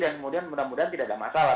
dan kemudian mudah mudahan tidak ada masalah